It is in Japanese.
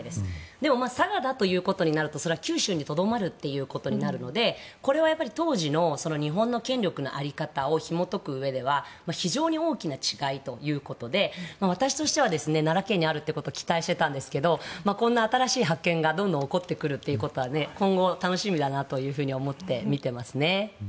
でも佐賀だということになるとそれは九州にとどまるということになるのでこれは当時の日本の権力の在り方をひもとくうえでは非常に大きな違いということで私としては奈良県にあるということを期待していたんですがこんな新しい発見がどんどん起こってくるということは今後、楽しみだなと思って見ています。